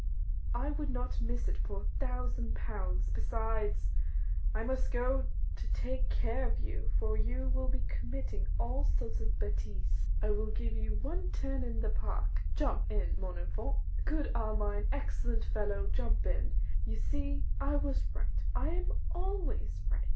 I would not miss it for a thousand pounds. Besides, I must go to take care of you, for you will be committing all sorts of bêtises. I will give you one turn in the park. Jump in, mon enfant. Good Armine, excellent fellow, jump in! You see, I was right; I am always right.